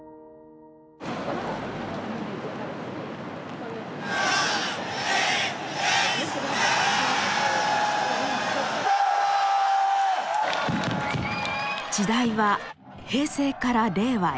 ３２１０！時代は平成から令和へ。